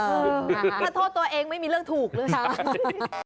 ถ้าโทษตัวเองไม่มีเรื่องถูกหรือใช้